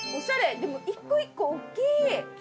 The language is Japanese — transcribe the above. でも一個一個大っきい！